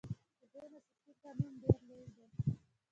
د هند اساسي قانون ډیر لوی دی.